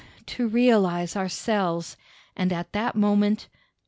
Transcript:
to realise ourselves, And at that moment